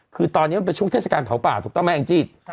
คือตอนนี้มันเป็นช่วงเทศกาลเผาป่าถูกต้องไหมแองจี้